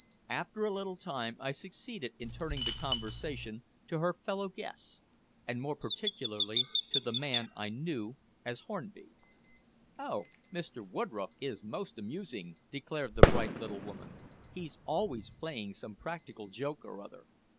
After a little time I succeeded in turning the conversation to her fellow guests, and more particularly to the man I knew as Hornby. "Oh! Mr. Woodroffe is most amusing," declared the bright little woman. "He's always playing some practical joke or other.